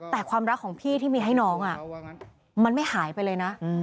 แต่ความรักของพี่ที่มีให้น้องมันไม่หายไปเลยนะ